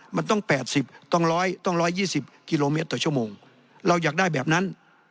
มันต้อง๘๐ต้อง๑๒๐กิโลเมตรต่อชั่วโมงเราอยากได้แบบนั้น